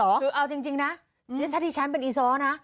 แล้วก็เอาจริงนะถ้าที่ฉันเป็นอีซ้อก็นะ